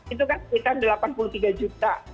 itu kan sekitar delapan puluh tiga juta